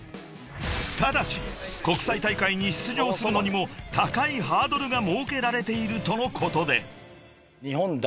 ［ただし国際大会に出場するのにも高いハードルが設けられているとのことで］